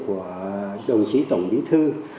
của đồng chí tổng bí thư